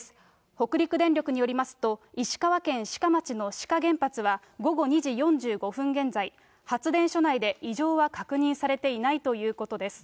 北陸電力によりますと、石川県志賀町の志賀原発は午後２時４５分現在、発電所内で異常は確認されていないということです。